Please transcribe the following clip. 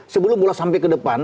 sebelum mulai sampai ke depan